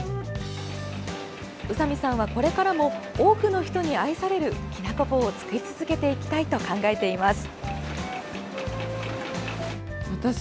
宇佐見さんは、これからも多くの人に愛されるきなこ棒を作り続けていきたいと考えています。